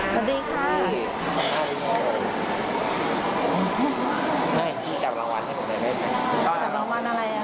สวัสดีค่ะ